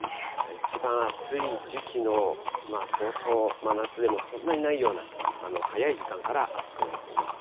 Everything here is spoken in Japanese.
一番暑い時期のそうそう、真夏でもそんなにないような、早い時間から暑くなっています。